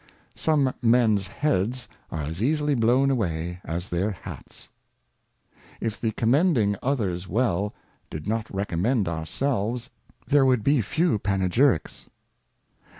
Some Mens Heads are as easily blown away as their Hats. If the commending others well, did not recommend ourselves, there would be few Panegyricks.